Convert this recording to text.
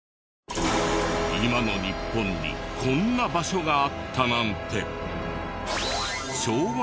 今の日本にこんな場所があったなんて！